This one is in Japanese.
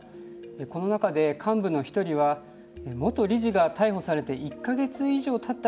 この中で幹部の一人は元理事が逮捕されて１か月以上たった